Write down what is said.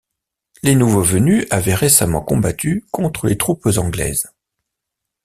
Les nouveaux venus avaient récemment combattu contre les troupes anglaises.